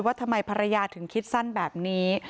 ว่าทำไมภรรยาถึงคิดสั้นแบบนี้